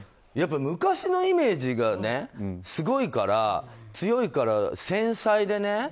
昔のイメージがすごく強いから繊細でね